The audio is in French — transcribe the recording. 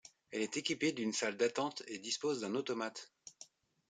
Elle est équipée d'une salle d'attente et dispose d'un automate.